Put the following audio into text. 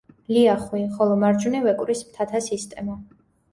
ლიახვი, ხოლო მარჯვნივ ეკვრის მთათა სისტემა.